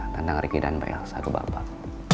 tentang riki dan bayang saya kebapak